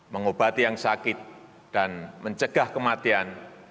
mengobati yang sakit dan mencegah kematian